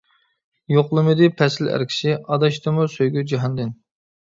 يوقلىمىدى پەسىل ئەركىسى، ئاداشتىمۇ سۆيگۈ جاھاندىن.